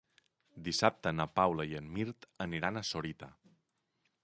Dissabte na Paula i en Mirt aniran a Sorita.